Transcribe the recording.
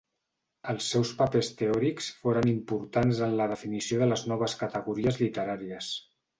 Els seus papers teòrics foren importants en la definició de les noves categories literàries.